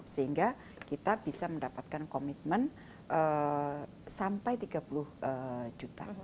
sehingga kita bisa mendapatkan komitmen sampai tiga puluh juta